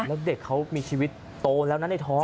แล้วเด็กเขามีชีวิตโตแล้วนะในท้อง